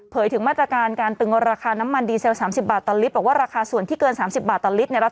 เผยถึงมาตรการการตึงราคาน้ำมันดีเซล๓๐บาทต่อลิตร